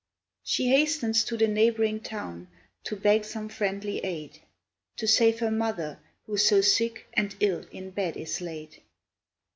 She hastens to the neighbouring town, To beg some friendly aid, To save her mother, who so sick And ill in bed is laid.